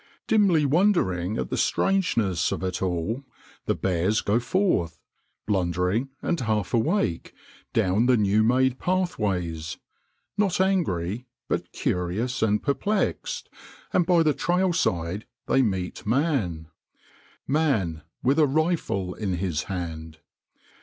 Dimly wondering at the strangeness of it all, the bears go forth, blundering and half awake, down the new made pathways, not angry, but curious and perplexed, and by the trail side they meet man man with a rifle in his hand.